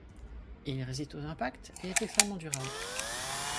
Il résiste aux impacts, est extrêmement durable.